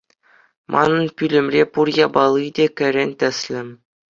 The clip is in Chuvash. Манӑн пӳлӗмре пур япали те кӗрен тӗслӗ.